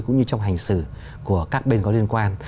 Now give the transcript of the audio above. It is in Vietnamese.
cũng như trong hành xử của các bên có liên quan